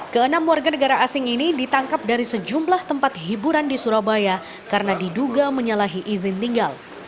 keenam warga negara asing ini ditangkap dari sejumlah tempat hiburan di surabaya karena diduga menyalahi izin tinggal